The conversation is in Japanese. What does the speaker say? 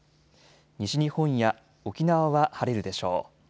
西日本や沖縄は晴れるでしょう。